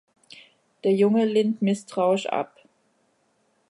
Der Junge lehnt misstrauisch ab.